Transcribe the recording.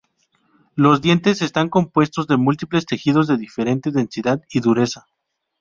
Los dientes están compuestos de múltiples tejidos de diferente densidad y dureza.